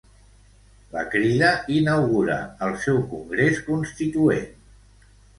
La Crida inaugura el seu congrés constituent.